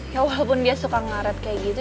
ya walaupun dia suka ngaret kayak gitu